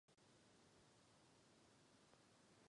Součástí ústavu byla též bohatá odborná knihovna.